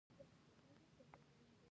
د ځاځي اریوب ځنګلونه لري